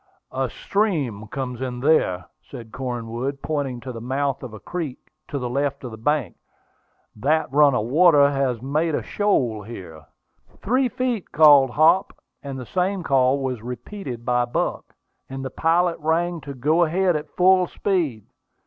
"A stream comes in there," said Cornwood, pointing to the mouth of a creek on the left bank; "that run of water has made a shoal here." "Three feet!" called Hop; and the same call was repeated by Buck; and the pilot rang to go ahead at full speed.